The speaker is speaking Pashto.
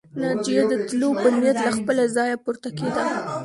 ناجيه د تلو په نيت له خپله ځايه پورته کېده